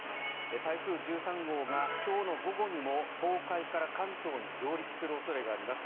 台風１３号が今日の午後にも東海から関東に上陸する恐れがあります。